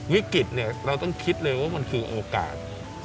วิกฤตเราต้องคิดเลยว่ามันคือโอกาส